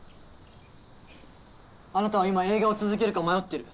あなたは今映画を続けるか迷ってる。